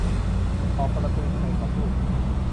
'ตอบประตูใช่มั้ย' เขาพูด